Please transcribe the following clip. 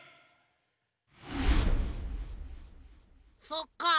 そっか。